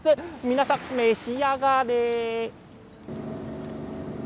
皆さん召し上がれ。